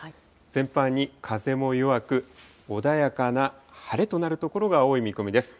全般に風も弱く、穏やかな晴れとなる所が多い見込みです。